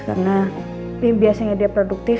karena biasanya dia produktif